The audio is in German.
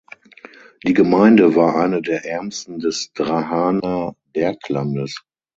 Die Gemeinde war eine der ärmsten des Drahaner Berglandes.